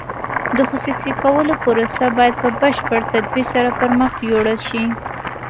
د خصوصي کولو پروسه باید په بشپړ تدبیر سره پرمخ یوړل شي.